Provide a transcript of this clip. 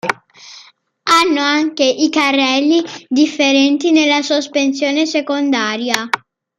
Hanno anche i carrelli differenti nella sospensione secondaria.